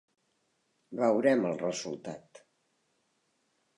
Veurem el resultat.